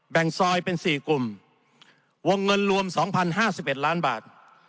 ซอยเป็น๔กลุ่มวงเงินรวม๒๐๕๑ล้านบาท